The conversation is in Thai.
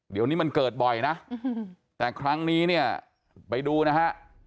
เดี๋ยวนี้มันเกิดบ่อยนะแต่ครั้งนี้เนี่ยไปดูนะฮะ